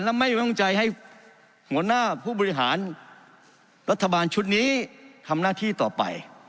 และไม่วางใจให้หัวหน้าผู้บริหารรัฐบาลชุดนี้ทำหน้าที่ต่อไป